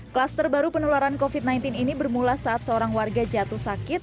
kluster baru penularan covid sembilan belas ini bermula saat seorang warga jatuh sakit